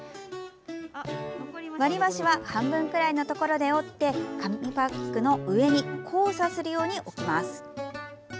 割り箸は半分くらいのところで折って紙パックの上に交差するように置きます。